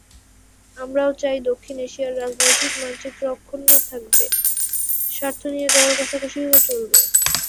আমরাও চাই, দক্ষিণ এশিয়ার রাজনৈতিক মানচিত্র অক্ষুণ্ন থাকবে, স্বার্থ নিয়ে দর–কষাকষিও চলবে।